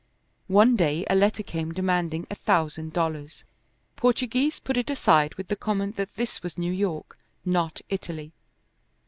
One day a letter came demanding a thousand dollars. Portoghese put it aside with the comment that this was New York, not Italy.